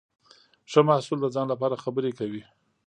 ښه محصول د ځان لپاره خبرې کوي.